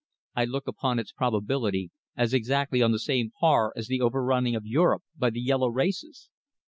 I look upon its probability as exactly on the same par as the overrunning of Europe by the yellow races."